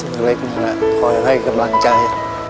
เขาเล็กหนึ่งขอให้กำลังใจ